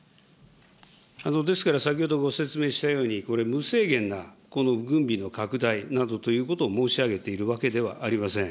ですから、先ほどご説明したように、これ、無制限なこの軍備の拡大などということを申し上げているわけではありません。